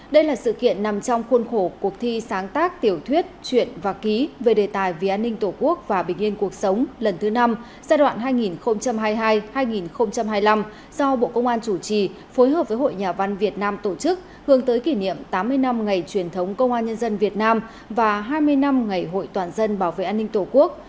đây là sự kiện nằm trong khuôn khổ cuộc thi sáng tác tiểu thuyết chuyện và ký về đề tài vì an ninh tổ quốc và bình yên cuộc sống lần thứ năm giai đoạn hai nghìn hai mươi hai hai nghìn hai mươi năm do bộ công an chủ trì phối hợp với hội nhà văn việt nam tổ chức hướng tới kỷ niệm tám mươi năm ngày truyền thống công an nhân dân việt nam và hai mươi năm ngày hội toàn dân bảo vệ an ninh tổ quốc